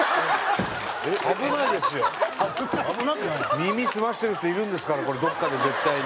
耳澄ましてる人いるんですからどっかで絶対に。